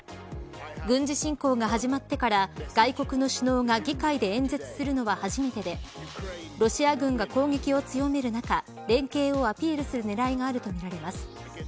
軍事侵攻が始まってから外国の首脳が議会で演説するのは初めてでロシア軍が攻撃を強める中連携をアピールする狙いがあるとみられます。